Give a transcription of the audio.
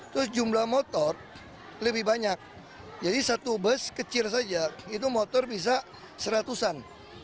terus jumlah motor lebih banyak jadi satu bus kecil saja itu motor bisa seratusan